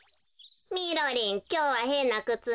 みろりんきょうはへんなくつね。